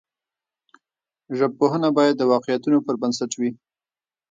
ژبپوهنه باید د واقعیتونو پر بنسټ وي.